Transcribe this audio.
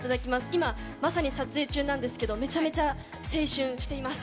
今、まさに撮影中なんですけれども、めちゃめちゃ青春しています。